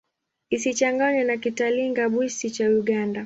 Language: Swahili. Isichanganywe na Kitalinga-Bwisi cha Uganda.